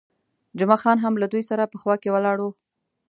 جمعه خان هم له دوی سره په خوا کې ولاړ وو.